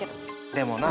でもな